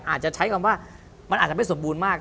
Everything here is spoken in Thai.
อาจจะใช้คำว่ามันอาจจะไม่สมบูรณ์มาก